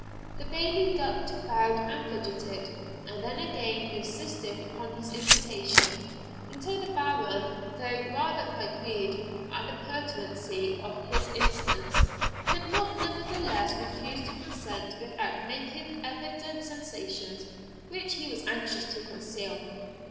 The Bailie ducked, bowed, and fidgeted, and then again insisted upon his invitation; until the Baron, though rather piqued at the pertinacity of his instances, could not nevertheless refuse to consent without making evident sensations which he was anxious to conceal.